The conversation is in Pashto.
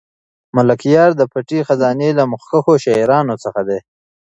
ملکیار د پټې خزانې له مخکښو شاعرانو څخه دی.